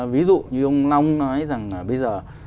ví dụ như ông long nói rằng bây giờ